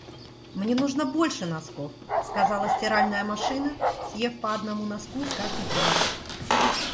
«Мне нужно больше носков!» — сказала стиральная машина, съев по одному носку из каждой пары.